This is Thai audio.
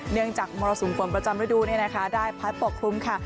เนื่องจากมรสุนฝนประจำฤดูเนี่ยนะคะได้พลัดปกคลุมค่ะ